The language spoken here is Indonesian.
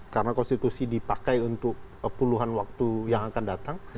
karena konstitusi dipakai untuk puluhan waktu yang akan datang